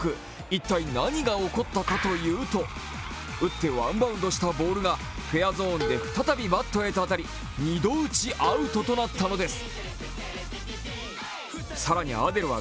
一体何が起こったかというと、打ってワンバウンドしたボールがフェアゾーンで再び当たり２度打ちアウトとなったのです。